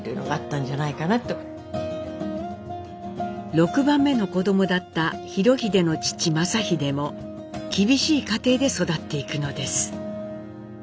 ６番目の子どもだった裕英の父正英も厳しい家庭で育っていくのです。